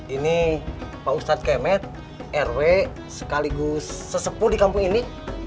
ini pak ustadz kemet rw sekaligus sesepuh di kampung ini